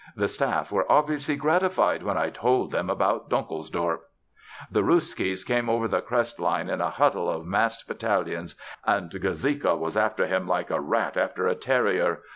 The Staff were obviously gratified when I told them about Donkelsdorp. The Rooskis came over the crest line in a huddle of massed battalions, and Gazeka was after them like a rat after a terrier.